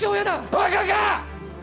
バカか！